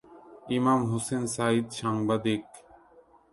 ইমাম হোসেন সাঈদ সাংবাদিক।